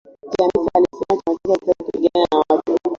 Chamisa alisema chama chake hakitaki kupigana na watu.